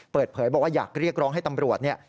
เปิดเผยบอกว่าอยากเรียกร้องให้ตำรวจเนี่ย